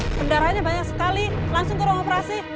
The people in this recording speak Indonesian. kendaraannya banyak sekali langsung ke ruang operasi